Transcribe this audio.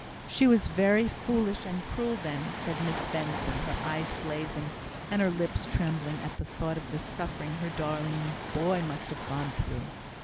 "She was very foolish and cruel, then," said Miss Benson, her eyes blazing, and her lips trembling, at the thought of the suffering her darling boy must have gone through.